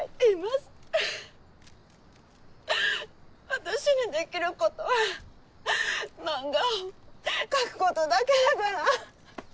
私にできることは漫画を描くことだけだから。